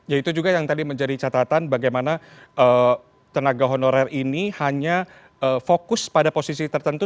ya itu juga yang tadi menjadi catatan bagaimana tenaga honorer ini hanya fokus pada posisi tertentu